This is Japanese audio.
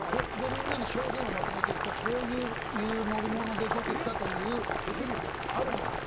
みんなの証言を集めると、こういう乗り物で出てきたという。